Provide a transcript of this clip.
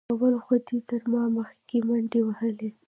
اول خو دې تر ما مخکې منډې وهلې.